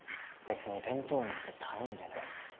別に弁当なんて頼んでない